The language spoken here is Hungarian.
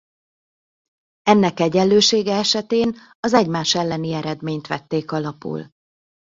Ennek egyenlősége esetén az egymás elleni eredményt vették alapul.